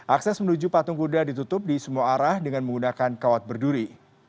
akses menuju patung kuda ditutup di semua arah dengan menggunakan kawat berduri